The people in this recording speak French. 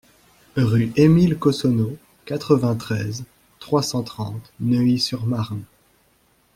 Rue Émile Cossonneau, quatre-vingt-treize, trois cent trente Neuilly-sur-Marne